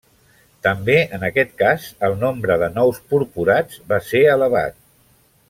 També en aquest cas el nombre de nous purpurats va ser elevat.